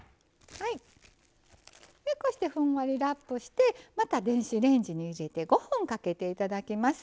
こうしてふんわりラップしてまた電子レンジに入れて５分かけて頂きます。